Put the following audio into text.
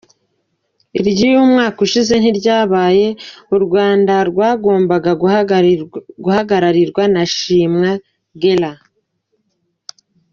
Iry’umwaka ushize ntiryabaye, u Rwanda rwagombaga guhagararirwa na Shimwa Guelda.